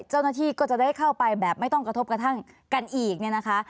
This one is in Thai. เจ้าหน้าที่ก็จะได้เข้าไปแบบไม่ต้องกระทบกระทั่งกันอีกเนี่ยนะคะ